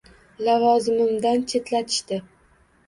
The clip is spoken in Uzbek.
Lavozimimdan chetlatishdi